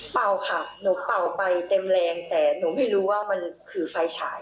เป่าค่ะหนูเป่าไปเต็มแรงแต่หนูไม่รู้ว่ามันคือไฟฉาย